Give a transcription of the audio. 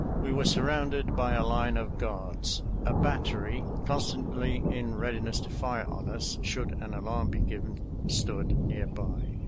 We were surrounded by a line of guards. A battery constantly in readiness to fire on us should an alarm be given stood near by.